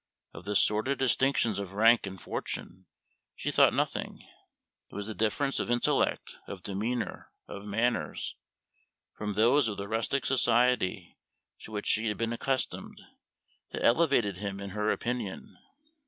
Of the sordid distinctions of rank and fortune she thought nothing; it was the difference of intellect, of demeanor, of manners, from those of the rustic society to which she had been accustomed, that elevated him in her opinion.